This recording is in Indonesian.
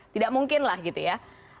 tidak mungkin lah gitu ya